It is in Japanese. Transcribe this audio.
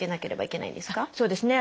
そうですね。